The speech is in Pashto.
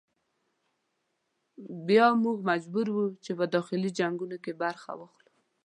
بیا موږ مجبور وو چې په داخلي جنګونو کې برخه واخلو.